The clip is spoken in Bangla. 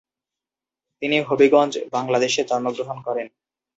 তিনি হবিগঞ্জ, বাংলাদেশে জন্মগ্রহণ করেন।